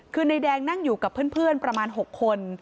คือนายแดงนั่งอยู่กับเพื่อนประมาณ๖คน